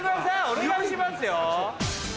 お願いしますよ。